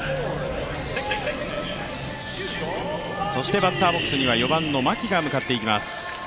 そしてバッターボックスには４番の牧が向かっていきます。